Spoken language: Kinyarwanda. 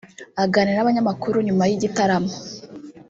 Aganira n’abanyamakuru nyuma y'igitaramo